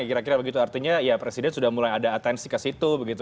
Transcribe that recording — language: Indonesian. kira kira begitu artinya ya presiden sudah mulai ada atensi ke situ begitu